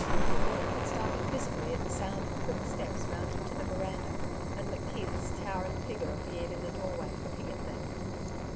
For Maule had started visibly at the sound of quick steps mounting to the veranda, and McKeith's towering figure appeared in the doorway, looking at them.